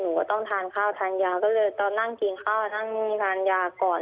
ก็ต้องทานข้าวทานยาก็เลยตอนนั่งกินข้าวนั่งทานยาก่อน